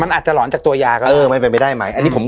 มันอาจจะหลอนจากตัวยาก็เออมันเป็นไปได้ไหมอันนี้ผม